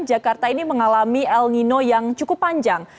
jakarta ini mengalami el nino yang cukup panjang